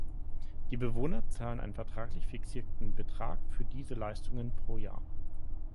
Die Bewohner zahlen einen vertraglich fixierten Betrag für diese Leistungen pro Jahr.